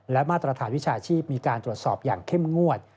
และมาตรฐานวิชาชีพมีการตรวจสอบอย่างเข้มงวด